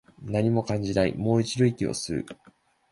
何も感じない、もう一度、息を吸う